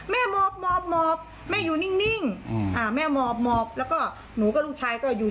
แม่มอบมอบมอบแม่อยู่นิ่งนิ่งอ่าแม่มอบมอบแล้วก็หนูก็ลูกชายก็อยู่